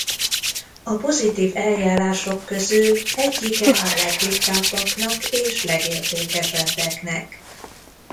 A pozitív eljárások közül egyike a legritkábbaknak és legértékesebbeknek.